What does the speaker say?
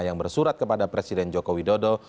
yang bersurat kepada presiden joko widodo